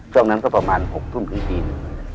ตรงนั้นก็ประมาณ๖ทุ่มถึงจีน